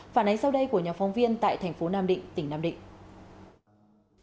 phản ánh sau đây của nhà phóng viên tại tp nam định tỉnh nam định